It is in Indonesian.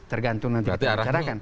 tergantung nanti kita bicarakan